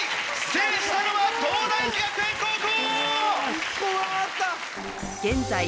制したのは東大寺学園高校！